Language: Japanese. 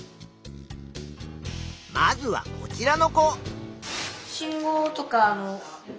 まずはこちらの子。